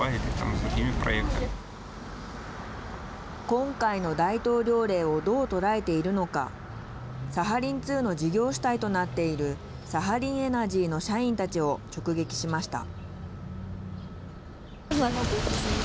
今回の大統領令をどう捉えているのかサハリン２の事業主体となっているサハリンエナジーの社員たちを直撃しました。